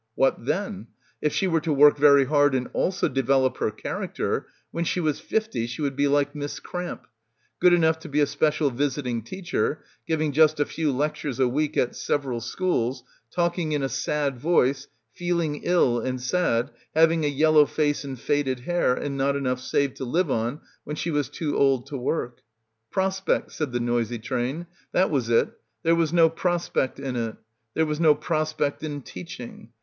What then? If she were to work very hard and also develop her character, when she was fifty she would be like Miss Cramp ; good enough to be a special visiting teacher, giving just a few lectures a week at several schools, talking in a sad voice, feeling ill and sad, having a yellow face and faded hair and not enough saved to live on when she was too old to work. Prospect, said the noisy train. That was it, there was no prospect in it. There was no prospect in teaching.